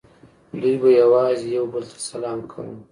دوی به یوازې یو بل ته سلام کاوه